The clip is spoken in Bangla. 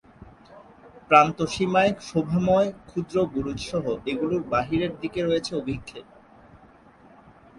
প্রান্তসীমায় শোভাময় ক্ষুদ্রবুরুজসহ এগুলির বাইরের দিকে রয়েছে অভিক্ষেপ।